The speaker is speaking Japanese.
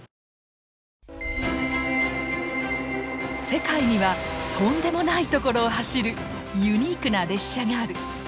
世界にはとんでもない所を走るユニークな列車がある！